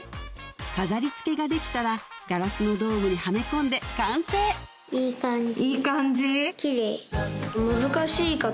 飾り付けができたらガラスのドームにはめ込んで完成いい感じ！